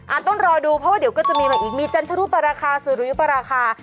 ต้องรอดูเพราะว่าเดี๋ยวก็จะมีมาอีกมีจันทรุปราคาสุริยุปราคา